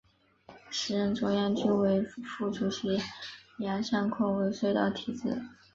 时任中央军委副主席杨尚昆为隧道题字。